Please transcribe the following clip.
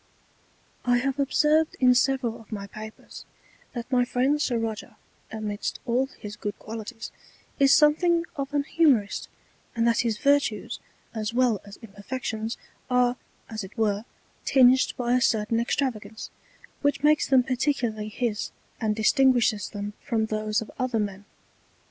I have observed in several of my Papers, that my Friend Sir Roger, amidst all his good Qualities, is something of an Humourist; and that his Virtues, as well as Imperfections, are as it were tinged by a certain Extravagance, which makes them particularly his, and distinguishes them from those of other Men.